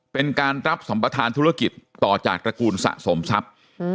เป็นการรับสัมประธานธุรกิจต่อจากตระกูลสะสมทรัพย์